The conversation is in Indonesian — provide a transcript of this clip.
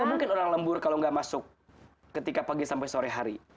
gak mungkin orang lembur kalau nggak masuk ketika pagi sampai sore hari